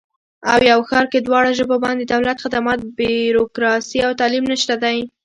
او یو ښار کې دواړه ژبو باندې دولتي خدمات، بیروکراسي او تعلیم نشته دی